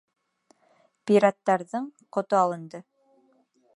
Пираттарҙың ҡото алынды.